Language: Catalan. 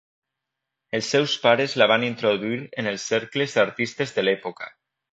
Els seus pares la van introduir en els cercles d'artistes de l'època.